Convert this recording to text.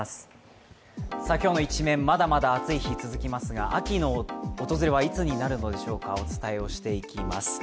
今日のイチメン、まだまだ暑い日が続きますが秋の訪れはいつになるのでしょうか、お伝えをしていきます。